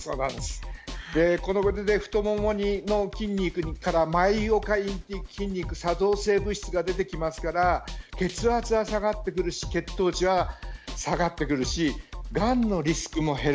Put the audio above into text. これで太ももの筋肉からマイオカインという筋肉作動性物質が出てきますから血圧は下がってきますし血糖値は下がってくるしがんのリスクも減る。